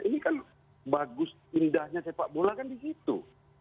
ini kan bagus indahnya sepak bola kan di situ